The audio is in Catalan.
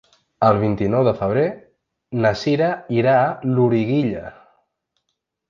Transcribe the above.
El vint-i-nou de febrer na Sira irà a Loriguilla.